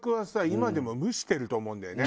今でも蒸してると思うんだよね。